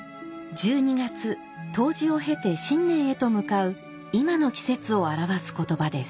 １２月冬至を経て新年へと向かう今の季節を表す言葉です。